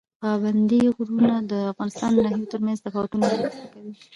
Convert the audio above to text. پابندی غرونه د افغانستان د ناحیو ترمنځ تفاوتونه رامنځ ته کوي.